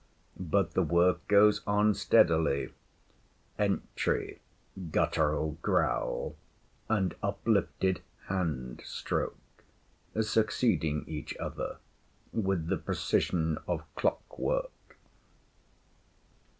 But the work goes on steadily; entry, guttural growl, and uplifted hand stroke succeeding each other with the precision of clock work.